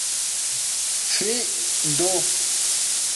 Fi do!